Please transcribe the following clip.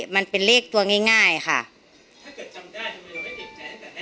มันเป็นเลขตัวง่ายง่ายค่ะถ้าเกิดจำได้ทำไมเราไม่ติดใจแบบนี้